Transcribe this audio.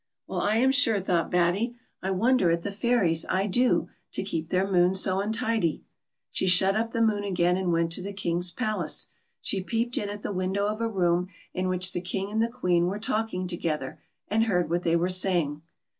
" Well, I am sure," thought Batty ;" I wonder at the fairies, I do, to keep their moon so untidy." She shut up the moon aga'n, and went to the King's palace. She peeped in at the window of a room in which the King and the Queen were talking together, and heard what they were saying.